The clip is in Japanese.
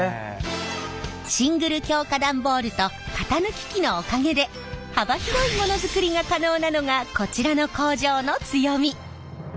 シングル強化段ボールと型抜き機のおかげで幅広いものづくりが可能なのがこちらの工場の強み。